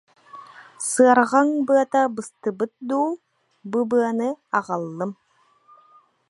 Сыарҕаҥ быата быстыбыт дуу, бу быаны аҕаллым